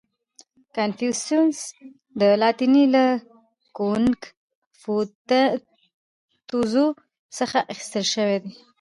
• کنفوسیوس د لاتیني له کونګ فو تزو څخه اخیستل شوی دی.